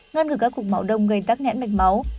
ngăn ngừng các cục máu đông gây tác nhãn bệnh máu